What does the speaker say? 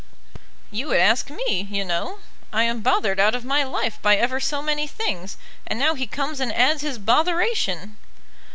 "You would ask me, you know. I am bothered out of my life by ever so many things, and now he comes and adds his botheration."